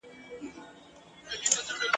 دا یو وصیت لرمه قبلوې یې او که نه !.